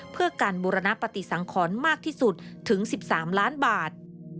เพื่อการบูรณปฏิสังขรมากที่สุดถึง๑๓ล้านบาท